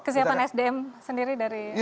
kesiapan sdm sendiri dari